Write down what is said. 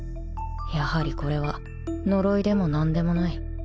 やはりこれは呪いでも何でもない